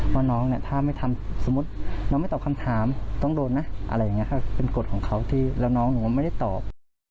ถ้าน้องไม่ตอบคำถามต้องโดนนะเป็นกฎของเขาน้องหนูไม่ได้ตอบ